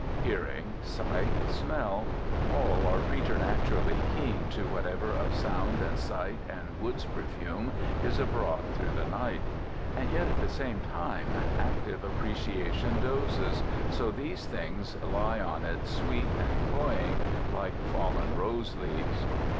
Hearing, sight, smell all are preternaturally keen to whatever of sound and sight and woods perfume is abroad through the night; and yet at the same time active appreciation dozes, so these things lie on it sweet and cloying like fallen rose leaves.